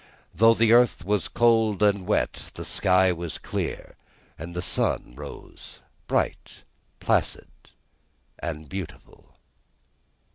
Though the earth was cold and wet, the sky was clear, and the sun rose bright, placid, and beautiful.